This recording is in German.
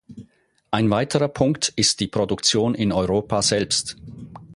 Ein weiterer Punkt ist die Produktion in Europa selbst.